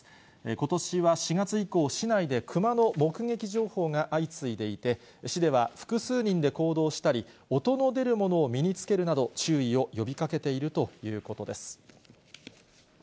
ことしは４月以降、市内でクマの目撃情報が相次いでいて、市では複数人で行動したり、音の出るものを身につけるなど、注意を呼びかけているということです。